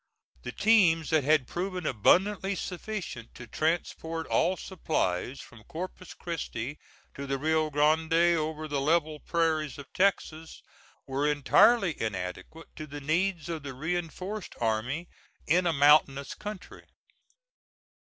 The teams that had proven abundantly sufficient to transport all supplies from Corpus Christi to the Rio Grande over the level prairies of Texas, were entirely inadequate to the needs of the reinforced army in a mountainous country.